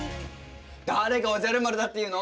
誰がおじゃる丸だっていうの。